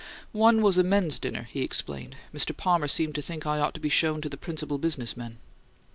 "One was a men's dinner," he explained. "Mr. Palmer seemed to think I ought to be shown to the principal business men."